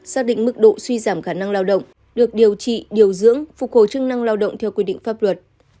xác định mức độ suy giảm khả năng lao động được điều trị điều dưỡng phục hồi chức năng lao động theo quy định pháp luật